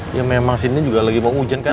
ya memang sini juga lagi mau hujan kan